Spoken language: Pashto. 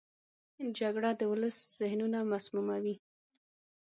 جګړه د ولس ذهنونه مسموموي